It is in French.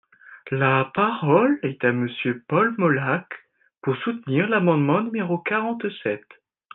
La parole est à Monsieur Paul Molac, pour soutenir l’amendement numéro quarante-sept.